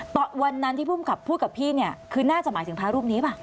ตอนนั้นที่ภูมิกับพูดกับพี่เนี่ยคือน่าจะหมายถึงพระรูปนี้ป่ะ